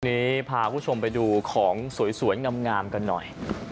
วันนี้พาคุณผู้ชมไปดูของสวยงามกันหน่อย